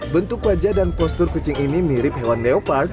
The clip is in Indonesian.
bentuk wajah dan postur kucing ini mirip hewan leopark